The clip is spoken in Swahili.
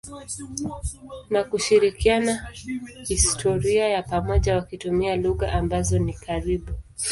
na kushirikiana historia ya pamoja wakitumia lugha ambazo ni karibu.